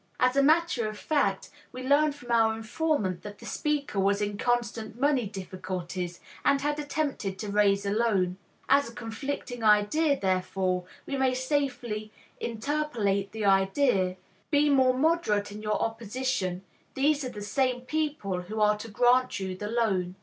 As a matter of fact, we learn from our informant that the speaker was in constant money difficulties, and had attempted to raise a loan. As a conflicting idea, therefore, we may safely interpolate the idea, "Be more moderate in your opposition, these are the same people who are to grant you the loan."